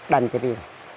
đàn cha pi này